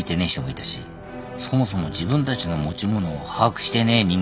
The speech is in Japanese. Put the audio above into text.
え人もいたしそもそも自分たちの持ち物を把握してねえ